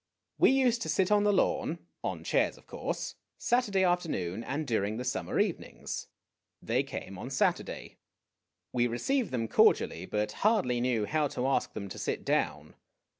We used to sit on the lawn on chairs, of course Saturday afternoon and during the summer evenings. They came on Saturday. We received them cordially, but hardly knew how to ask them to sit down.